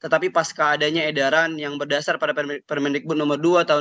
tetapi pas keadanya edaran yang berdasar pada permendikbud nomor dua tahun dua ribu dua